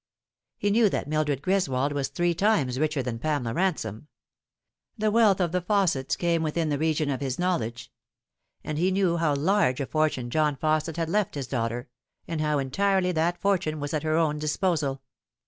He knew that Mildred Greswold was three tunes richer than Pamela Ransome. The wealth of the Fausset's came within the region of his knowledge ; and he knew how large a fortune John Fausset had left his daughter, and how entirely that fortune was at her own disposal.